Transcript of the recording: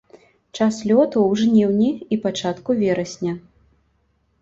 Час лёту ў жніўні і пачатку верасня.